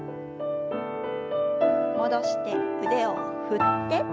戻して腕を振って。